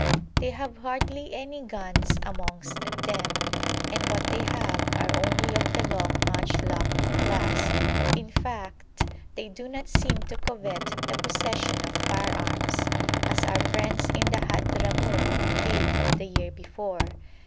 They have hardly any guns amongst them, and what they have are only of the long matchlock class; in fact, they do not seem to covet the possession of firearms, as our friends in the Hadhramout did the year before.